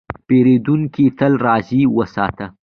پیرودونکی تل راضي وساته.